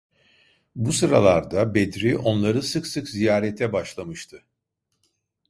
Bu sıralarda Bedri onları sık sık ziyarete başlamıştı.